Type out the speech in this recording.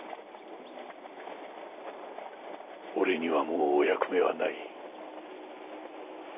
俺にはもうお役目はない。